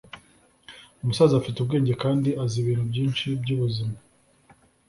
umusaza afite ubwenge kandi azi ibintu byinshi byubuzima